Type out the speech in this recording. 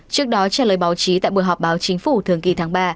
trước đó trả lời báo chí tại buổi họp báo chính phủ thường kỳ tháng ba